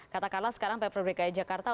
katakanlah sekarang pemilik rekan jakarta